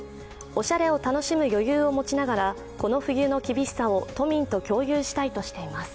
おしゃれを楽しむ余裕を持ちながらこの冬の厳しさを都民と共有したいとしています。